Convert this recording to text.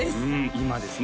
今ですね